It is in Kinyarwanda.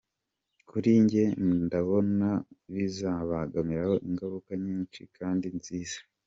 Kuri njye, mbona bizabagiraho ingaruka nyinshi kandi nziza.